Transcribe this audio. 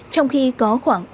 trong khi có khoảng